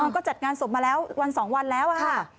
ก็จัดงานศพมาแล้ววัน๒วันแล้วค่ะ